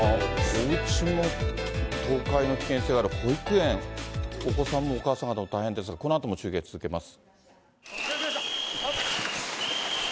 おうちも倒壊の危険性がある、保育園、お子さんもお母さん方も大変ですが、このあとも中継続けます。